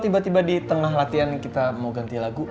tiba tiba di tengah latihan kita mau ganti lagu